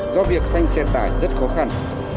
do việc thanh xe tải rất khó khăn